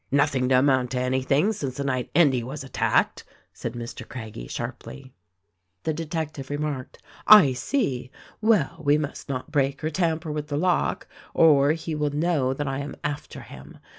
"Nothing to amount to anything since the night Eudy was attacked," said Mr. Craggie, sharply. The detective remarked, "I see! Well, we must not break or tamper with the lock or he will know that I am after him.